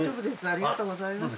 ありがとうございます。